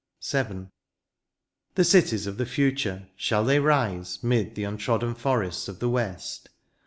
VII. The cities of the future, shall they rise 'Mid the untrodden forests of the west